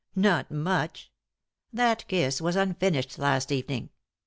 Not much 1 That kiss was unfinished last evening.